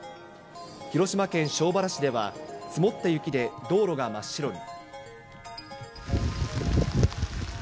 広島県庄原市では、積もった雪で道路が真っ白に。